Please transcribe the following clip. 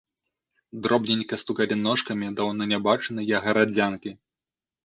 Дробненька стукалі ножкамі даўно не бачаныя гарадзянкі.